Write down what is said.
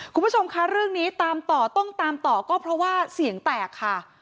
คุณผู้ชมคะเรื่องนี้ตามต่อต้องตามต่อก็เพราะว่าเสียงแตกค่ะ